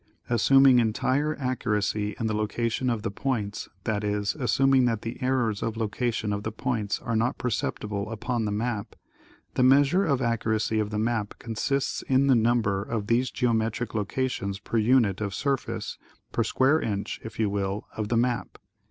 Assuming entire accuracy in the location of the points, that is, assuming that the errors of location of the points are not perceptible upon the map, the measure of accuracy of the map consists in the num ber of these geometric locations per unit of surface, per square inch, if you will, of the map.